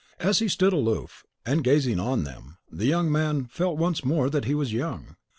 As he stood aloof and gazing on them, the young man felt once more that he was young.